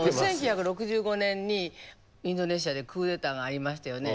１９６５年にインドネシアでクーデターがありましたよね。